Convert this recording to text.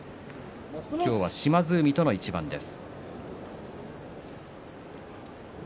今日は島津海との一番です。